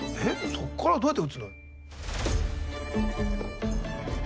そっからどうやって打つの？